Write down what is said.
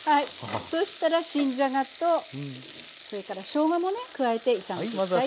そしたら新じゃがとそれからしょうがもね加えて炒めていきたい